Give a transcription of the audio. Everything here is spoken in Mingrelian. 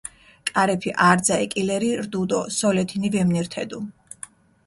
კარეფი არძა ეკილერი რდუ დო სოლეთინი ვემნირთედუ.